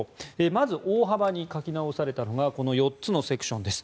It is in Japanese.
まず大幅に書き直されたのが４つのセクションです。